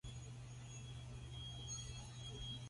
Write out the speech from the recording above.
Nzwi dù.